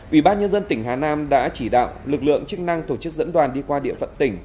ủy ban nhân dân tỉnh hà nam đã chỉ đạo lực lượng chức năng tổ chức dẫn đoàn đi qua địa phận tỉnh